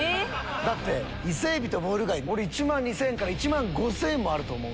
だって伊勢エビとムール貝俺１万２０００円から１万５０００円もあると思う。